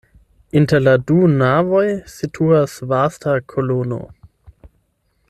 Inter la du navoj situas vasta kolono.